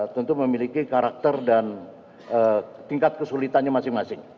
tentu memiliki karakter dan tingkat kesulitannya masing masing